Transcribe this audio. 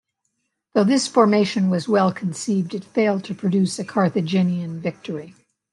Though this formation was well-conceived, it failed to produce a Carthaginian victory.